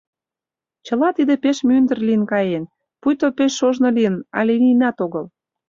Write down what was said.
Чыла тиде пеш мӱндыр лийын каен, пуйто пеш ожно лийын але лийынат огыл.